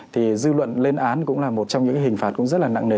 thì dư luận lên án cũng là một trong những hình phạt cũng rất là nặng nề